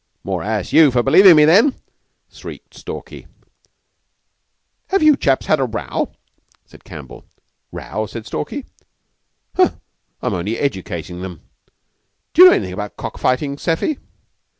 "More ass you for believin' me, then!" shrieked Stalky. "Have you chaps had a row?" said Campbell. "Row?" said Stalky. "Huh! I'm only educatin' them. D'you know anythin' about cock fighting, Seffy?"